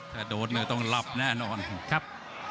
ถ้าโดนต้องหลับแน่นอนครับ